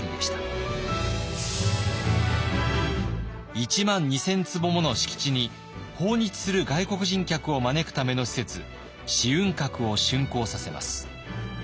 １万２，０００坪もの敷地に訪日する外国人客を招くための施設紫雲閣をしゅんこうさせます。